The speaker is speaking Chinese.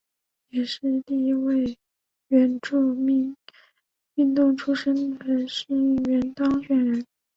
也是第一位原住民运动出身的市议员当选人。